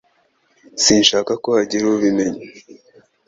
Sinshaka ko hagira ubimenya.